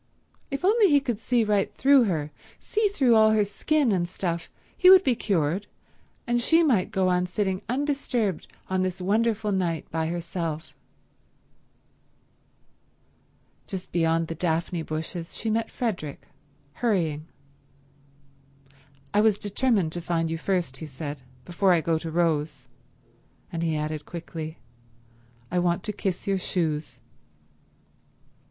If only he could see right through her, see through all her skin and stuff, he would be cured, and she might go on sitting undisturbed on this wonderful night by herself. Just beyond the daphne bushes she met Fredrick, hurrying. "I was determined to find you first," he said, "before I go to Rose." And he added quickly, "I want to kiss your shoes."